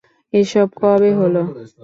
এসব কবে হলো?